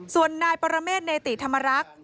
ส่วนนายปรเมษเนติธรรมรักษ์